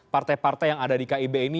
partai partai yang ada di kib ini